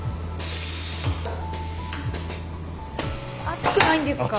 熱くないんですか？